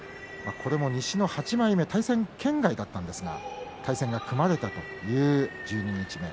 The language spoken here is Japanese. これも西の８枚目対戦圏外だったんですが対戦が組まれたという十二日目。